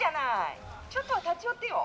ちょっと立ち寄ってよ」。